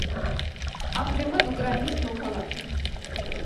ამჟამად უკრაინის მოქალაქე.